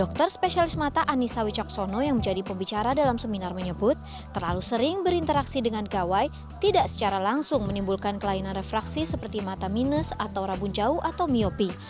dokter spesialis mata anissa wicaksono yang menjadi pembicara dalam seminar menyebut terlalu sering berinteraksi dengan gawai tidak secara langsung menimbulkan kelainan refraksi seperti mata minus atau rabun jauh atau myopi